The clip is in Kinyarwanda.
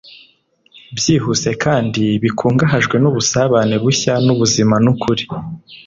Byihuse kandi bikungahajwe nubusabane bushya nubuzima nukuri